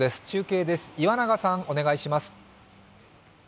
中継です。